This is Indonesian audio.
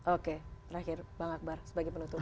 oke terakhir bang akbar sebagai penutup